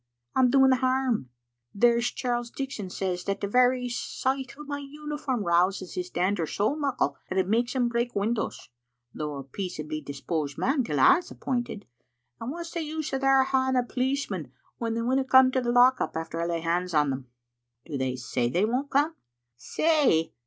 I'm doing harm. There's Charles Dickson says that the very sicht o' my uniform rouses his dander so muckle that it makes him break windows, though a peaceably disposed man till I was appointed. And what's the use o' their haeing a policeman when they winna come to the lock up after I lay hands on them?" " Do they say they won't come?" " Say?